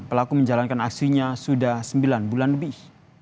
pelaku menjalankan aksinya sudah sembilan bulan lebih